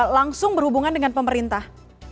langsung berhubungan dengan pemerintah